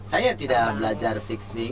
saya tidak belajar fix me